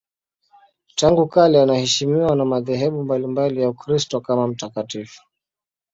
Tangu kale anaheshimiwa na madhehebu mbalimbali ya Ukristo kama mtakatifu.